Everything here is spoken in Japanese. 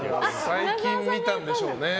最近見たんでしょうね。